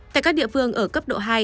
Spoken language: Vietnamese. tại các địa phương ở cấp độ hai